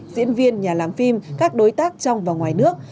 diễn viên nhà làm phim các đối tác trong và ngoài nước